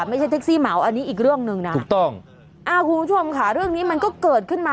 ไม่ใช่แท็กซี่เหมาอันนี้อีกเรื่องหนึ่งนะถูกต้องอ่าคุณผู้ชมค่ะเรื่องนี้มันก็เกิดขึ้นมา